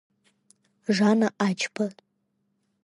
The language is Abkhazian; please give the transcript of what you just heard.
Жана Ачба…